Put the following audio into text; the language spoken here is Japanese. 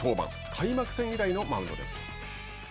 開幕戦以来のマウンドです。